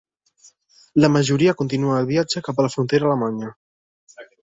La majoria continua el viatge cap a la frontera alemanya.